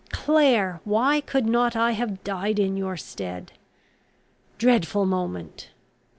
Clare, why could not I have died in your stead? Dreadful moment!